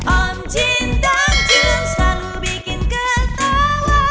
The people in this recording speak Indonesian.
om jin dan jun mereka selalu bikin ketawa